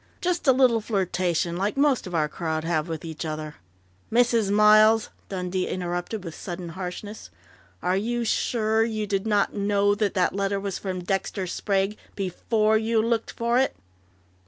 Just a little flirtation, like most of our crowd have with each other " "Mrs. Miles," Dundee interrupted with sudden harshness, "are you sure you did not know that that letter was from Dexter Sprague before you looked for it?"